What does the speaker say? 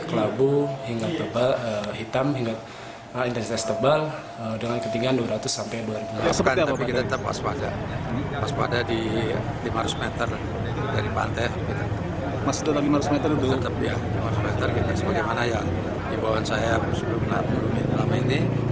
kita lihat bagaimana ya di bawah saya sebelum enam puluh minit lama ini